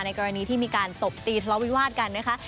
กรณีที่มีการตบตีทะเลาวิวาสกันนะคะ